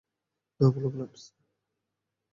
না, ওগুলো গ্লাভস।